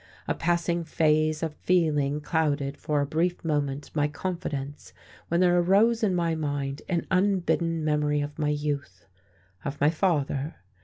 A passing phase of feeling clouded for a brief moment my confidence when there arose in my mind an unbidden memory of my youth, of my father.